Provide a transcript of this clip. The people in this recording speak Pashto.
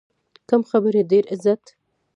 کم خبرې، ډېر عزت.